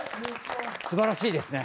すばらしいですね。